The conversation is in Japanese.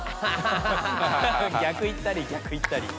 逆いったり逆いったり。